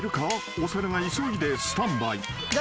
［お猿が急いでスタンバイ］